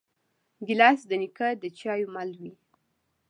ګیلاس د نیکه د چایو مل وي.